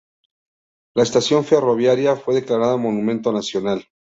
La estación ferroviaria fue declarada Monumento Nacional.